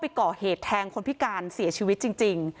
ก่อเหตุแทงคนพิการเสียชีวิตจริง